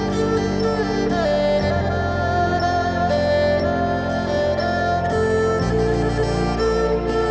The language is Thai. สวัสดีครับสวัสดีครับ